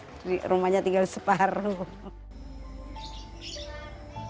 jadi rumahnya tinggal separuh